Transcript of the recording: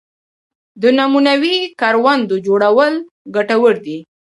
د نمونوي کروندو جوړول ګټور دي